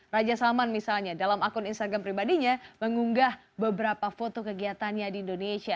raja salman misalnya dalam akun instagram pribadinya mengunggah beberapa foto kegiatannya di indonesia